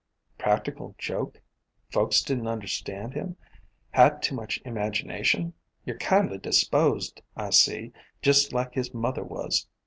"Practical joke? Folks didn't understand him? Had too much 'magination? Ye 're kindly disposed, I see, just like his mother was.